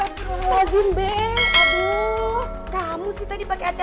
aku selalu menegak start'nya